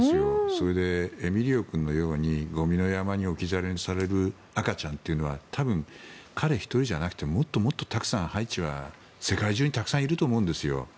それで、エミリオ君のようにゴミの山に置き去りにされる赤ちゃんというのは多分、彼１人じゃなくてもっともっとたくさんハイチや世界中にたくさんいると思うんです。